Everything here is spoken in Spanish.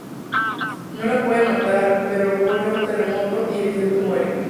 No lo pueden matar, pero ocurre un terremoto y el insecto muere.